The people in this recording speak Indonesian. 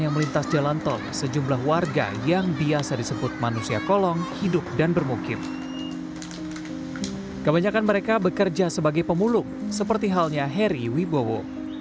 kebanyakan mereka bekerja sebagai pemulung seperti halnya heri wibowo